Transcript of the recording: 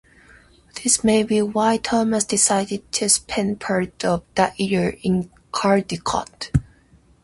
This may be why Thomas decided to spend part of that year in Caldicot.